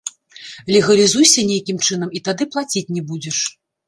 Легалізуйся нейкім чынам і тады плаціць не будзеш.